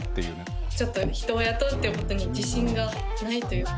ちょっと人を雇うっていうことに自信がないという。